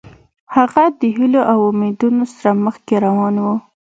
هغه د هیلو او امیدونو سره مخکې روان و.